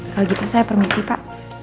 kalau gitu saya permisi pak